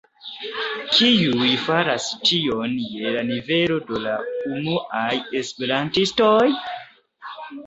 Kiuj faras tion je la nivelo de la unuaj esperantistoj?